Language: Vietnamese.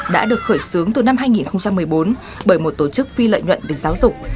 đã được khởi xướng từ năm hai nghìn một mươi bốn bởi một tổ chức phi lợi nhuận về giáo dục